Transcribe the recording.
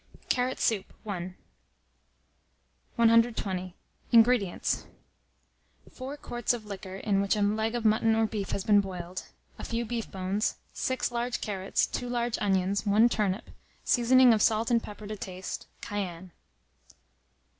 CARROT SOUP. I. 120. INGREDIENTS. 4 quarts of liquor in which a leg of mutton or beef has been boiled, a few beef bones, 6 large carrots, 2 large onions, 1 turnip; seasoning of salt and pepper to taste; cayenne.